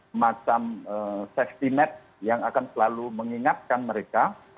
semacam safety net yang akan selalu mengingatkan mereka